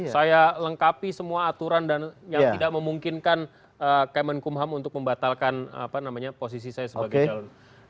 saya lengkapi semua aturan dan yang tidak memungkinkan kemenkumham untuk membatalkan posisi saya sebagai calon